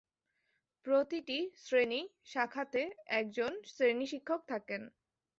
প্রতিটি শ্রেণী/শাখাতে একজন শ্রেণী শিক্ষক থাকেন।